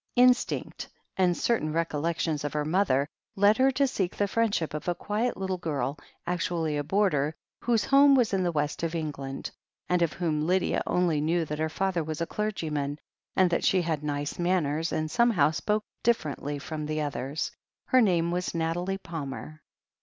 Instinct, and certain recollections of her mother, led her to seek the friendship of a quiet little girl, actually a boarder, whose home was in the west of England, and of whom Lydia only knew that her father was a clergyman, and that she had nice manners and some how spoke differently from the others. Her name was Nathalie Palmer.